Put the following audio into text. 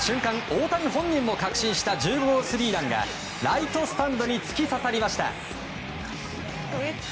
大谷本人も確信した１５号スリーランがライトスタンドに突き刺さりました。